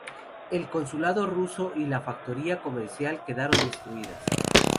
El consulado ruso y la factoría comercial quedaron destruidas.